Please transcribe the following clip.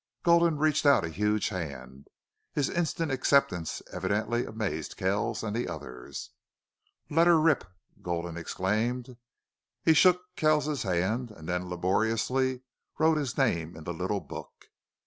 Gulden reached out a huge hand. His instant acceptance evidently amazed Kells and the others. "LET HER RIP!" Gulden exclaimed. He shook Kells's hand and then laboriously wrote his name in the little book.